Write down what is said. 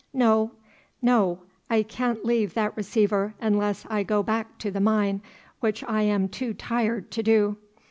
No, no; I can't leave that receiver unless I go back to the mine, which I am too tired to do.